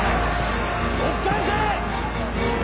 押し返せ！